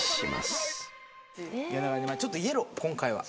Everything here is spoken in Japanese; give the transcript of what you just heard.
ちょっとイエロー今回は。